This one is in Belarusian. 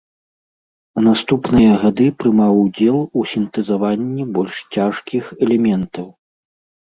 У наступныя гады прымаў удзел у сінтэзаванні больш цяжкіх элементаў.